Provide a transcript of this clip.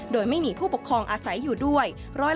โดยไม่มีผู้ปกครองอาศัยอยู่ด้วย